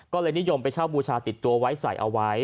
ก็เลยนิยมไปเช่าบูชาติดตัวไว้ใส่เอาไว้